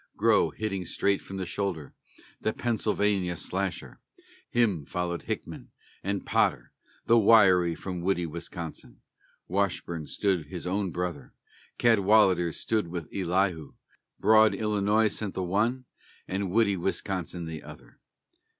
Grow, hitting straight from the shoulder, the Pennsylvania Slasher; Him followed Hickman, and Potter the wiry, from woody Wisconsin; Washburne stood with his brother, Cadwallader stood with Elihu; Broad Illinois sent the one, and woody Wisconsin the other.